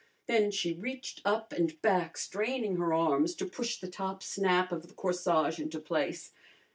Then she reached up and back, straining her arms to push the top snap of the corsage into place.